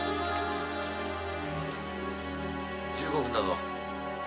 １５分だぞ。